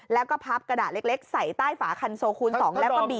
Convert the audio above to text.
แล้วก็พับกระดาษเล็กใส่ใต้ฝาคันโซคูณ๒แล้วก็บีบ